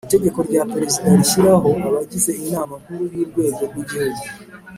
itegeko rya perezida rishyiraho abagize inama nkuru y urwego rw igihugu